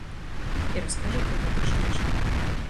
І раскажа пра гэта чытачам.